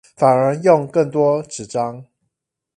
反而用更多紙張